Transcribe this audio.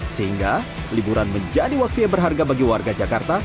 sehingga liburan menjadi waktunya berharga bagi warga jakarta